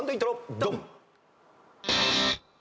ドン！